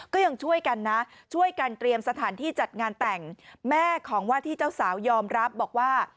ก็ยังช่วยกันนะช่วยกันเตรียมสถานที่จัดงานแต่งแม่ของว่าที่เจ้าสาวยอมรับบอกว่า